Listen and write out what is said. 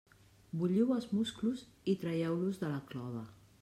Bulliu els musclos i traieu-los de la clova.